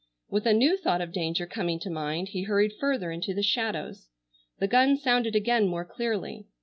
With a new thought of danger coming to mind he hurried further into the shadows. The gun sounded again more clearly.